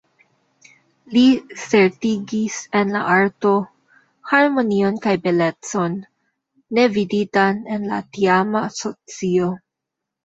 Li certigis en la arto harmonion kaj belecon, ne viditan en la tiama socio.